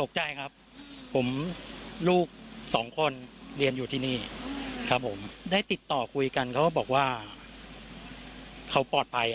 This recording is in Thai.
ตกใจครับผมลูกสองคนเรียนอยู่ที่นี่ครับผมได้ติดต่อคุยกันเขาก็บอกว่าเขาปลอดภัย